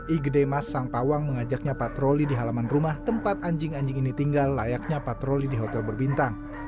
igede mas sang pawang mengajaknya patroli di halaman rumah tempat anjing anjing ini tinggal layaknya patroli di hotel berbintang